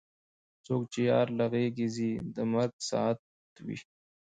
څوک چې یار له غېږې ځي د مرګ ساعت وي.